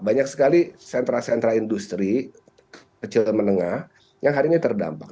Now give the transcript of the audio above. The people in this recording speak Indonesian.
banyak sekali sentra sentra industri kecil menengah yang hari ini terdampak